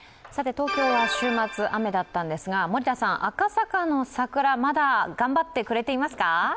東京は週末、雨だったんですが森田さん、赤坂の桜、まだ頑張ってくれていますか？